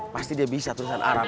pasti dia bisa tulisan arab